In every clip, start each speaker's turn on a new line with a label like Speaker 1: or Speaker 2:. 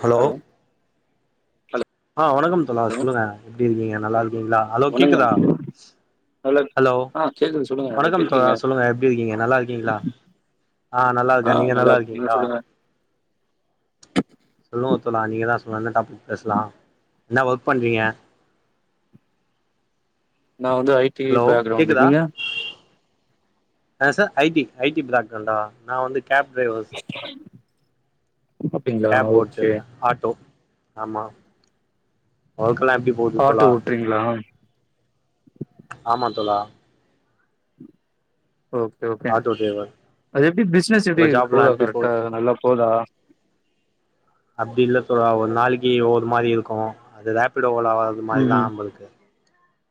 Speaker 1: Hello
Speaker 2: hello
Speaker 1: ஆ வணக்கம் தோலா சொல்லுங்க எப்படி இருக்கீங்க நல்லா இருக்கீங்களா ஹலோ கேக்குதா
Speaker 2: வணக்கம் நல்லா இருக்கே
Speaker 1: ஹலோ
Speaker 2: ஆ கேக்குது சொல்லுங்க எப்டி
Speaker 1: வணக்கம் தோழா
Speaker 2: இருக்கீங்க
Speaker 1: சொல்லுங்க எப்படி இருக்கீங்க நல்லா இருக்கீங்களா ஆ நல்லா இருக்கே நீங்க நல்லா
Speaker 2: இருக்கே நீங்க
Speaker 1: இருக்கீங்களா
Speaker 2: சொல்லுங்க
Speaker 1: சொல்லு தோழா நீங்கதா சொல்லனு என்ன டாபிக் பேசலா என்ன ஒர்க் பண்றீங்க
Speaker 2: நா வந்து ஐ டி
Speaker 1: ஹலோ
Speaker 2: பேக்ரவுண்டு
Speaker 1: கேக்குதா
Speaker 2: நீங்க
Speaker 1: ஆ சார் ஐடி ஐடி பிளாக் தண்டா நா வந்து கேப் டிரைவர்
Speaker 2: சொ [unintelligible]
Speaker 1: கேப் ஓட்டுருக்கே ஆட்டோ ஆமா ஒர்க்கெல்லா எப்பிடி
Speaker 2: ஆட்டோ ஓட்றீங்களா
Speaker 1: ஆமா தோழா
Speaker 2: ஓகே ஓகே
Speaker 1: ஆட்டோ டிரைவர்
Speaker 2: அது எப்பிடி பிஸ்னஸ்
Speaker 1: உங்க
Speaker 2: எப்பிடி
Speaker 1: ஜாப்லா
Speaker 2: போதா
Speaker 1: எப்டி
Speaker 2: கரெக்டா
Speaker 1: போகுது
Speaker 2: நல்லா போதா
Speaker 1: அப்பிடி இல்ல தோழா ஒரு நாளைக்கு ஒரு மாரி இருக்கு அது ரேப்பிடோ ஓல அது மாதிதா
Speaker 2: ம்
Speaker 1: நம்பளுக்கு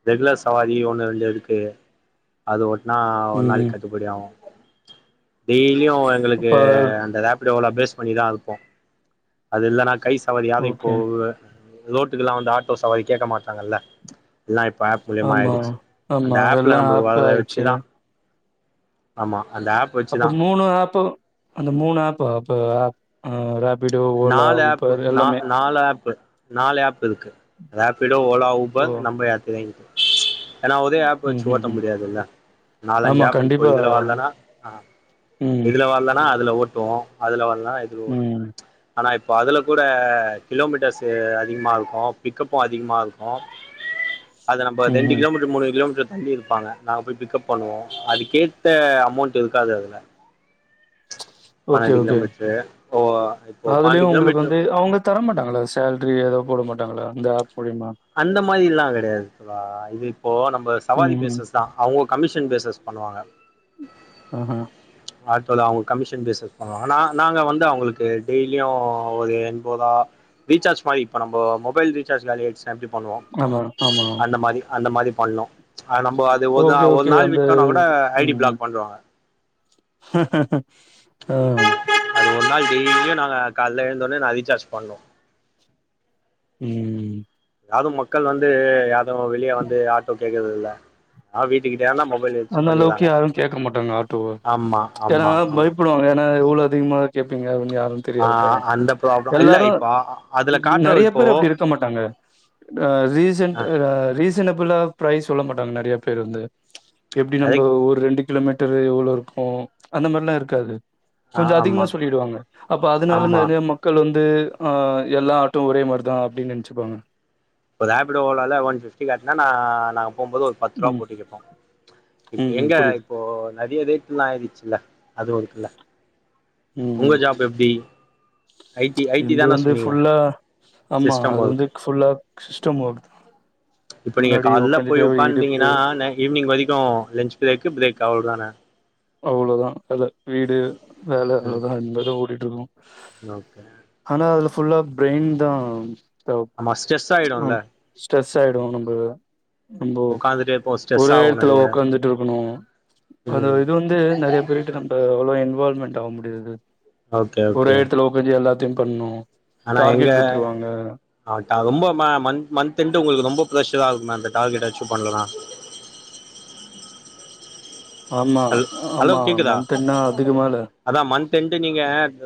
Speaker 1: ரெகுலர் சவாரி ஒன்னு ரெண்டு இருக்கு அது ஒட்னா ஒரு நாளை
Speaker 2: ம்
Speaker 1: கட் ட்டுபடியாகு டெய்லியு எங்களுக்கு
Speaker 2: இப்ப
Speaker 1: அந்த ராப் இப்பிடி ஓலா பேஸ் பண்ணிதா இருப்போ அது இல்லன்னா கை சவாரி யாரு இப்போ
Speaker 2: ஓகே
Speaker 1: லோட்டுக்கெல்லா வந்து ஆட்டோ சவாரி கேட்கமாட்டாங்கல்ல ல்லா இப்ப ஆப் மூழியமா
Speaker 2: ஆமா
Speaker 1: ஆயிடிச்சி அந்த
Speaker 2: ஆமா எல்லா
Speaker 1: ஆப்ல நம்மளுக்கு
Speaker 2: ஆப்
Speaker 1: வரத
Speaker 2: ஆயிடுச்சு
Speaker 1: வச்சிதா ஆமா அந்த ஆப் வச்சுதா
Speaker 2: அப்ப மூனு ஆப்பு அந்த மூனு ஆப் அப்ப ஆ ரேபிடோ ஓலா
Speaker 1: நாலு ஆப்பு
Speaker 2: உபர்
Speaker 1: நா
Speaker 2: எல்லாமே
Speaker 1: நாலு ஆப்பு நாலு ஆப் இருக்கு ரேபிடோ ஓலா
Speaker 2: ஓ
Speaker 1: ஊபர் நம்ம யாத்திரை ஏன்னா ஒரே ஆப்
Speaker 2: ம்
Speaker 1: வச்சி
Speaker 2: ம்
Speaker 1: ஓட்ட
Speaker 2: ம்
Speaker 1: முடியாதுல்ல நாலஞ்சி
Speaker 2: ஆமா
Speaker 1: ஆப் இப்போ
Speaker 2: கண்டிப்பா
Speaker 1: இதுல வரலன்னா ஆ
Speaker 2: ம்
Speaker 1: இதுல வர்லனா அதுல ஓட்டுவோ அதுல வரலனா இதுல
Speaker 2: ம்
Speaker 1: ஆனா இப்போ அதுல கூட கிலோமீட்டர்ஸு அதிகமா இருக்கு பிக்கப்பு அதிகமா இருக்கு அது நம்ப
Speaker 2: ம்
Speaker 1: தண்டு
Speaker 2: ம்
Speaker 1: கிலோமீட்டர் மூனு கிலோமீட்டர் பண்ணியிருப்பாங்க நாங்க போய் பிக்கப் பண்ணுவோ அதுக்கேத்த அமௌண்ட் இருக்காது அதுல
Speaker 2: ஓகே
Speaker 1: பன்னெண்டு
Speaker 2: ஓகே
Speaker 1: கிலோமீட்டரு ஓ இப்போ
Speaker 2: அதுலியு
Speaker 1: பன்னெண்டு
Speaker 2: உங்களுக்கு
Speaker 1: கிலோமீட்டர்
Speaker 2: வந்து அவுங்க தர மாட்டாங்களா சேலரி எதா போட மாட்டாங்களா இந்த ஆப் மூழியமா
Speaker 1: அந்த மாரில்லா கெடயாது தோழா இது இப்போ நம்ம சவாரி
Speaker 2: ம், ம்.
Speaker 1: பேசஸ் தா அவுங்க கமிஷன் பேசஸ் பண்ணுவாங்க
Speaker 2: ம் ம்
Speaker 1: ஆட்டோல அவுங்க கமிஷன் பேசஸ் பண்ணுவாங்க நா நாங்க வந்து அவங்களுக்கு டெய்லியு ஒரு எண்போரா ரீசார்ஜ் மாரி இப்ப நம்போ மொபைல் ரீசார்ஜ் காலி ஆயிடிச்சி எம்ட்டி பண்ணுவோ
Speaker 2: ஆமா, ஆமா.
Speaker 1: அந்த மாரி அந்த மாரி பண்ணோ ஆ நம்போ அது ஒதா
Speaker 2: ஓகே,
Speaker 1: ஒரு
Speaker 2: ஓகே.
Speaker 1: நாள்
Speaker 2: அந்த
Speaker 1: விட்டோனா கூட ஐடி
Speaker 2: ம், ம்.
Speaker 1: பிளாக் பண்றுவாங்க
Speaker 2: ஆ
Speaker 1: ஒரு நாள் டெய்லியு நாங்க கால எழுந்தோனே நா ரீசார்ஜ் பண்ணு
Speaker 2: ம்
Speaker 1: யாரும் மக்கள் வந்து யாரு வெளிய வந்து ஆட்டோ கேக்கறது இல்ல ஆ வீட்டுக்கிட்டேனா மொபைல் வச்சி
Speaker 2: அந்த அளவுக்கு
Speaker 1: பண்ணிறாங்க
Speaker 2: யாரும் கேட்க
Speaker 1: ஆமா அம்மா அம்
Speaker 2: ப்புடுவாங்க ஏனா எவ்ளோ அதிகமா கேப்பீங்க உன்னு யாரு
Speaker 1: ஆ
Speaker 2: தெரியாது இல்ல
Speaker 1: அந்த ப்ராப்ளம் இல்ல
Speaker 2: எல்லாரு
Speaker 1: இப்போ அதுல காட்டுற
Speaker 2: நெறைய
Speaker 1: இப்போ
Speaker 2: பேர் அப்டி இருக் க்கமாட்டாங்க ஆ
Speaker 1: ஆ
Speaker 2: ரீசன்ட்ஆ ரீசனபிளா ஃபிரைஸ் சொல்லமாட்டாங்க நெறைய பேர் வந்து எப்பிடி நம்ப
Speaker 1: கரெக்ட்
Speaker 2: ஒரு ரெண்டு கிலோமீட்டர் எவ்ளோ இருக்கு அந்த மாரிலா இருக்காது
Speaker 1: ஆ
Speaker 2: கொஞ்சோ
Speaker 1: ஆமா
Speaker 2: அதிகமா சொல்லிடுவாங்க அப்ப அதனால
Speaker 1: ஆமா
Speaker 2: நெறைய மக் மக்கள் வந்து அ எல்லா ஆட்டோவு ஒரே மாரிதா அப்டின்னு நெனச்சிப்பாங்க
Speaker 1: இப்ப ரேபிடோ ஓலோலா ஒன் ஃபிப்டி காட்னா ந நாங்க போம்போது ஒரு பத்து ரூபா
Speaker 2: ம்
Speaker 1: போட்டு கேப்போ இப்ப
Speaker 2: ம் ம்
Speaker 1: எங்க
Speaker 2: புரியுது
Speaker 1: இப்போ நெறிய ரேட்ல்லா ஆயிடுச்சுல்ல அது இருக்ல்ல ஒங்க ஜாப் எப்டி ஐ டி ஐ டி
Speaker 2: இங்க
Speaker 1: தான
Speaker 2: வந்து
Speaker 1: சொன்னீங்க
Speaker 2: ஃபுல்லா ஆமா
Speaker 1: சிஸ்டம்
Speaker 2: அது வந்து
Speaker 1: ஒர்க்கு
Speaker 2: ஃபுல்லா சிஸ்டம் ஒர்க்
Speaker 1: இப்போ நீங்க
Speaker 2: முன்னாடி
Speaker 1: கால்ல
Speaker 2: உக்காந்துட்டே
Speaker 1: போய்
Speaker 2: இடுப்பு
Speaker 1: உக்கான்டீங்கன்னா ஈவினிங் வரைக்கு லன்ஞ்ச் பிரேக் பிரேக் அவ்ளோ தானே
Speaker 2: அவ்ளோதா அது வீடு வேல
Speaker 1: ம்
Speaker 2: இவ்ளோதா இந்த தா ஓடிட்டு இருக்கு
Speaker 1: ஓகே
Speaker 2: ஆனா அதுல ஃபுல்லா பிரைன் தா தேவப்
Speaker 1: ஆமா ஸ்ட்ரெஸ் ஆயிடும்ல
Speaker 2: ஆம் ஸ்ட்ரெஸ் ஆயிடு நம்பது ரொம்போ
Speaker 1: உட்காந்துட்டே இருப்போ ஸ்ட்ரெஸ்
Speaker 2: ஒரே
Speaker 1: ஆகு
Speaker 2: எடத்துல
Speaker 1: நெறைய
Speaker 2: உக்காந்துட்டு இருக்கணு
Speaker 1: ம்
Speaker 2: அதுவே வந்து நெறைய பேர் கிட்ட நம்ப அவ்ளோ இன்வால்வ்மெண்ட் ஆவ முடியாது
Speaker 1: ஓகே
Speaker 2: ஒரே
Speaker 1: ஓகே
Speaker 2: எடத்துல உக் மீதி எல்லாத்தையு பண்ணு
Speaker 1: ஆனா இங்க
Speaker 2: டார்கெட் குத்துருவாங்க
Speaker 1: ஆ டா ரொம்ப மந்த் மந்த் என்டு உங்களுக்கு ரொம்ப பிரெஷராகுமே அந்த டார்கெட் அச்சீவ் பண்ணலனா
Speaker 2: ஆமா
Speaker 1: ஹலோ ஹலோ
Speaker 2: ஆமா
Speaker 1: கேக்குதா
Speaker 2: மந்த்ன்னா அதுக்கு மேல
Speaker 1: அதா மந்த் என்ட்டு நீங்க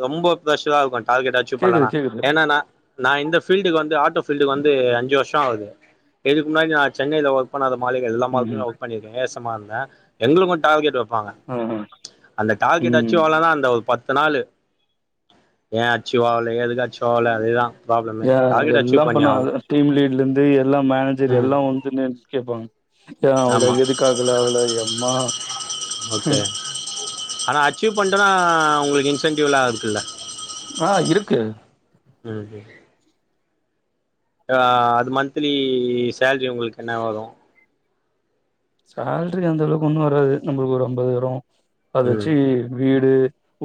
Speaker 1: ரொம்ப பிரஷரா இருக்கு டார்கெட் அச்சீவ்
Speaker 2: கேக்குது
Speaker 1: பண்லனா
Speaker 2: கேக்குது
Speaker 1: ஏன்னா நா நா இந்த ஃபீல்டுக்கு வந்து ஆட்டோ ஃபீல்டுக்கு வந்து அஞ்சு வருஷோ ஆகுது இதுக்கு முன்னாடி நா சென்னைல ஒர்க் அப்ப அந்த மாளிக எல்ல
Speaker 2: ம்
Speaker 1: மால்ல ஒர்க் பண்ணிருக்க எசமான்ல எங்களுக்கு டார்கெட் வப்பாங்க
Speaker 2: ம் ஹ்ம்
Speaker 1: அந்த டார்கெட் அச்சுவ் ஆவலனா அந்த ஒரு பத்து நாளு ஏ அச்சிக்கோ அவள எதுக் அச்சிகோ அவள அதேதா
Speaker 2: ஏ எல்லா பண்ணுவாங்க டீம் லீட்ல இருந்து எல்லா மேனேஜர்
Speaker 1: ம்
Speaker 2: எல்லா வந்து மே கேப்பாங்க இப்ப அவ்ளோ
Speaker 1: ஆமா
Speaker 2: எடுக்காதுலே அவ்ளோ எம்மா
Speaker 1: ஓகே ஆனா அச்சீவ் பண்டேன்னா உங்களுக்கு இன்சென்டிவ்லா இருக்குல்ல
Speaker 2: ஆ இருக்கு
Speaker 1: ம் ஓகே அ அது மந்த்லி சேல்ரி உங்களுக்கு என்ன வரு
Speaker 2: சேல்ரி அந்த அளவுக்கு ஒன்னு வராது நம்மளுக்கு ஒரு ஐம்பது வரு அத
Speaker 1: ம்
Speaker 2: வச்சு வீடு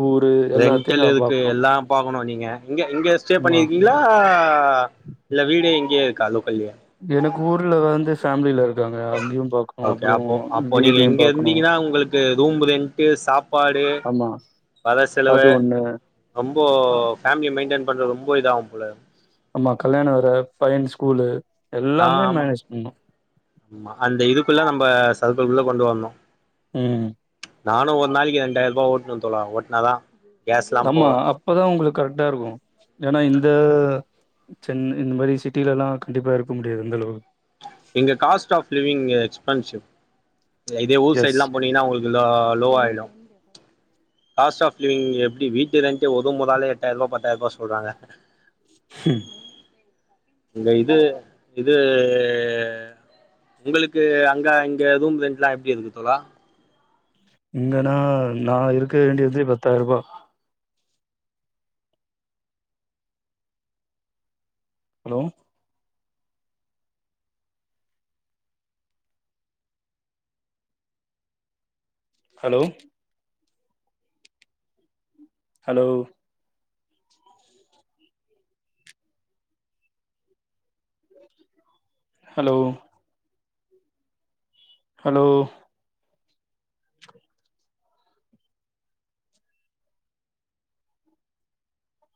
Speaker 2: ஊரு எல்லாத்தையு
Speaker 1: ரெண்டல்
Speaker 2: நா
Speaker 1: இருக்கு
Speaker 2: பாக்கணு
Speaker 1: எல்லா பாகணு நீங்க இங்க இங்க ஸ்டே
Speaker 2: மா
Speaker 1: பண்ணிருக்கீ யா இல்ல வீடு எங்கேயே இருக்கா லோக்கல்லயே
Speaker 2: எனக்கு ஊருல வந்து ஃபேமிலில இருக்காங்க அங்கேயு பாக்கணு
Speaker 1: ஓகே
Speaker 2: அப்புறோ
Speaker 1: அப்போ அப்போ நீங்க
Speaker 2: வீடையு
Speaker 1: இங்க
Speaker 2: பாக்கணு
Speaker 1: இருந்தீங்கன்னா உங்களுக்கு ரூம் ரென்ட்டு சாப் பாடு
Speaker 2: ஆமா
Speaker 1: பத செலவு
Speaker 2: அது ஒண்ணு
Speaker 1: ரொம்போ ஃபேமிலிய மெயின்ட்டன் பண்ண ரொம்ப இதாவும்புள்ள
Speaker 2: அம்மா கல்யாண வேற பையன் ஸ்கூலு
Speaker 1: ஆ
Speaker 2: எல்லாமே
Speaker 1: ஆமா
Speaker 2: மேனேஜ் பண்ணணு
Speaker 1: ஆமா அந்த இதுக்குல்லா நம்ம சர்க்குள்குள்ள கொண்டு வரனு
Speaker 2: ம்
Speaker 1: நானு ஒரு நாளைக்கு ரெண்டாயிர ரூபா ஓட்டுவ தோழா ஓட்னாதா கேஸ்லா
Speaker 2: ஆமா
Speaker 1: போக
Speaker 2: அப்பதா உங்களுக்கு கரெக்டா இருக்கு ஏன்னா இந்த சென்னை இந்த மாதிரி சிட்டில எல்லா கண்டிப்பா இருக்க முடியாது இந்த அளவுக்
Speaker 1: எங்க காஸ்ட் ஆஃப் லிவிங் எக்ஸ்பென்சிவ் இதே ஊர்
Speaker 2: எஸ்.
Speaker 1: சைட்லா போனிங்கனா உங்களுக் ல்லோ லோ ஆயிலு காஸ்ட் ஆப் லிவிங் எப்டி வீட்டு இருந்துட்டு ஒதும்புனாலே எட்டாயிர ரூபா பத்தாயிர ரூபா சொல்றாங்க
Speaker 2: ம்
Speaker 1: இந்த இது இது உங்களுக்கு அங்க இங்க ரூம் ரெண்ட்லா எப்டி இருந்துத் தோழா
Speaker 2: இங்கன்னா நா இருக்க வேண்டியது பத்தாயர்ருபா hello hello hello hello hello